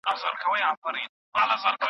په وروسته وخت کي بندي سو